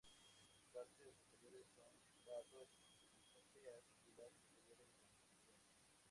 Sus partes superiores son pardo grisáceas y las inferiores blanquecinas.